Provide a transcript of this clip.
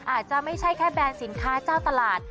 อาจจะไม่ใช่แค่แบรนด์สินค้าเจ้าตลาด